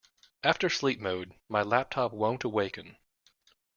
After sleep mode, my laptop won't awaken.